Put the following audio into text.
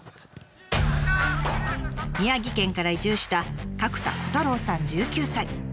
宮城県から移住した角田虎太郎さん１９歳。